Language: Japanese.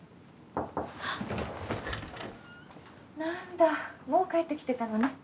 なんだもう帰ってきてたのね。